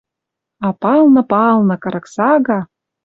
А палны, палны, кырык сага